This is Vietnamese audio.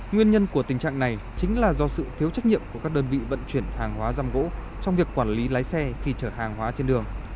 nguyên nhân của tình trạng này chính là do sự thiếu trách nhiệm của các đơn vị vận chuyển hàng hóa giam gỗ trong việc quản lý lái xe khi chở hàng hóa trên đường